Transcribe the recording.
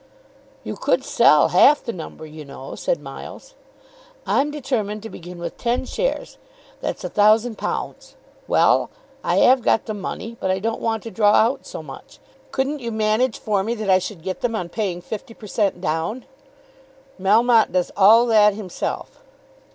"You could sell half the number, you know," said Miles. "I'm determined to begin with ten shares; that's £1,000. Well; I have got the money, but I don't want to draw out so much. Couldn't you manage for me that I should get them on paying 50 per cent. down?" "Melmotte does all that himself."